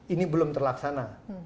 ini belum terlaksana